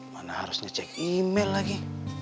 mana harusnya cek email lagi